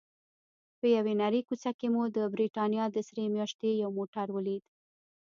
په یوې نرۍ کوڅه کې مو د بریتانیا د سرې میاشتې یو موټر ولید.